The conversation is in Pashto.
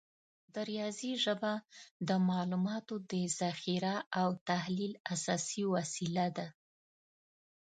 د ریاضي ژبه د معلوماتو د ذخیره او تحلیل اساسي وسیله ده.